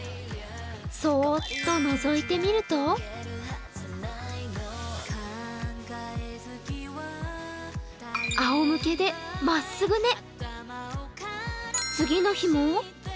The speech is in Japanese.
そーっとのぞいてみるとあおむけでまっすぐ寝。